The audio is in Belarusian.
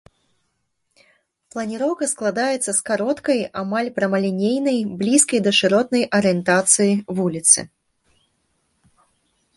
Планіроўка складаецца з кароткай амаль прамалінейнай, блізкай да шыротнай арыентацыі вуліцы.